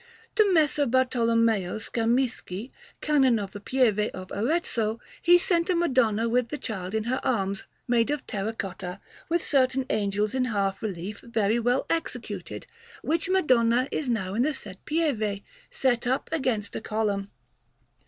To Messer Bartolommeo Scamisci, Canon of the Pieve of Arezzo, he sent a Madonna with the Child in her arms, made of terra cotta, with certain angels in half relief, very well executed; which Madonna is now in the said Pieve, set up against a column.